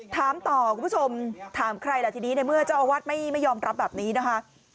ถามต่อคุณผู้ชมถามใครล่ะทีนี้ในเมื่อเจ้าอาวาสไม่ยอมรับแบบนี้นะคะ